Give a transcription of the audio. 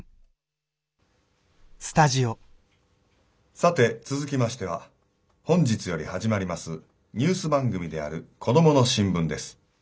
さて続きましては本日より始まりますニュース番組である「コドモの新聞」です。